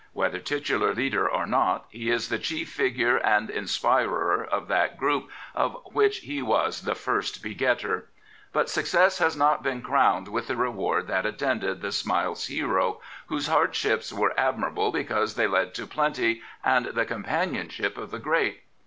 Whether titular leader or not, he is the chief figure and inspirer of that group of which he was the " first begetter," But success has not been crowned with the reward that attended the Smiles hero, whose hardships were admirable because they led to plenty and the com panionship of the great.